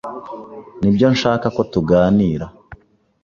Nibyo nshaka ko tuganira